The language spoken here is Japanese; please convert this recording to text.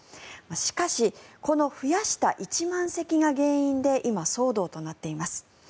しかし、この増やした１万席が原因で今、騒動となっています。